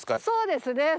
そうですね。